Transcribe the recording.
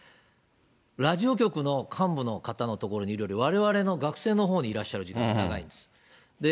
ラジオ局の幹部の方の所にいるよりも、われわれの学生のほうにいらっしゃる時間が長いんです。